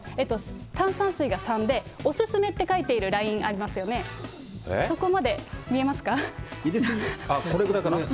炭酸水が３で、お勧めって書いてあるラインありますよね、そこまで、見えますか入れ過ぎ。